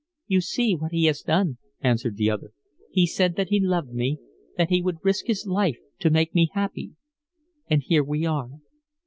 "You see what he has done," answered the other. "He said that he loved me, that he would risk his life to make me happy. And here we are."